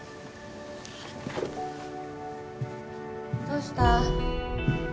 どうした？